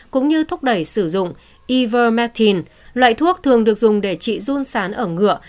cũng như thúc đẩy sử dụng ivermectin loại thuốc thường được dùng để trị run sán ở ngựa